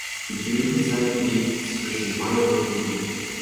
Die Blütezeit liegt zwischen Mai und Juli.